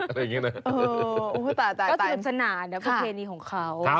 ก็ถูกสนานนะเพราะเพลงดีของเขา